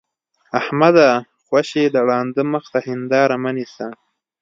احمده! خوشې د ړانده مخ ته هېنداره مه نيسه.